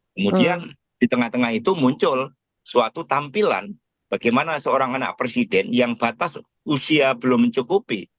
kemudian di tengah tengah itu muncul suatu tampilan bagaimana seorang anak presiden yang batas usia belum mencukupi